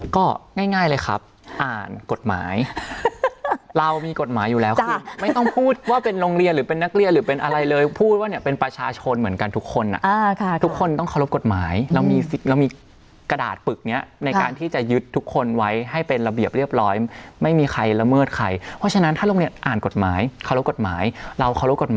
ก็ง่ายเลยครับอ่านกฎหมายเรามีกฎหมายอยู่แล้วคือไม่ต้องพูดว่าเป็นโรงเรียนหรือเป็นนักเรียนหรือเป็นอะไรเลยพูดว่าเนี่ยเป็นประชาชนเหมือนกันทุกคนทุกคนต้องเคารพกฎหมายเรามีเรามีกระดาษปึกนี้ในการที่จะยึดทุกคนไว้ให้เป็นระเบียบเรียบร้อยไม่มีใครละเมิดใครเพราะฉะนั้นถ้าโรงเรียนอ่านกฎหมายเคารพกฎหมายเราเคารพกฎหมาย